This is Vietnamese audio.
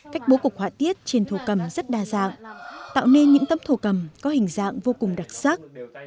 cách bố cục họa tiết trên thổ cầm rất đa dạng tạo nên những tấm thổ cầm có hình dạng vô cùng đặc sắc